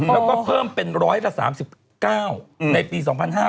แล้วก็เพิ่มเป็น๑๓๙ในปี๒๕๕๙